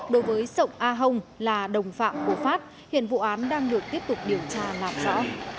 đối với sổng a hồng là đồng phạm của phát hiện vụ án đang được tiếp tục điều tra làm rõ